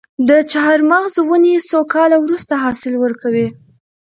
د چهارمغز ونې څو کاله وروسته حاصل ورکوي؟